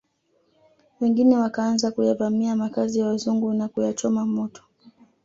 Wengine wakaanza kuyavamia makazi ya wazungu na kuyachoma moto